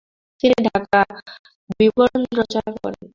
তিনি 'ঢাকার বিবরণ' রচনা করেন।